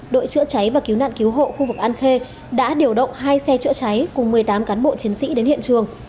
đội chữa cháy và cứu nạn cứu hộ khu vực an khê đã điều động hai xe chữa cháy cùng một mươi tám cán bộ chiến sĩ đến hiện trường